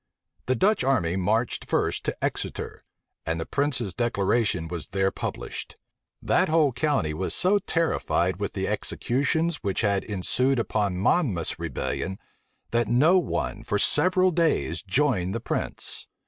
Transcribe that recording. The Dutch army marched first to Exeter; and the prince's declaration was there published. That whole county was so terrified with the executions which had ensued upon Monmouth's rebellion, that no one for several days joined the prince.